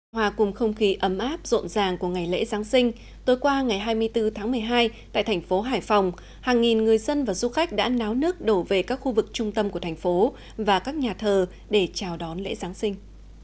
hòa cùng không khí ấm áp rộn ràng của ngày lễ giáng sinh tối qua ngày hai mươi bốn tháng một mươi hai tại thành phố hải phòng hàng nghìn người dân và du khách đã náo nước đổ về các khu vực trung tâm của thành phố và các nhà thờ để chào đón lễ giáng sinh